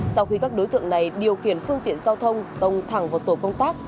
sau khi các đối tượng này điều khiển phương tiện giao thông tông thẳng vào tổ công tác